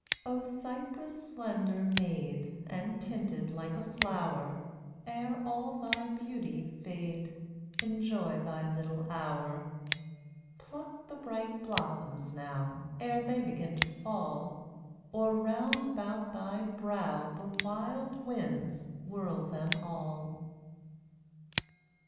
228 O cyprus slender maid And tinted like a flower, Ere all thy beauty fade, Enjoy thy little hour. Pluck the bright blossoms now, Ere they begin to fall, Or round about thy brow The wild winds whirl them all.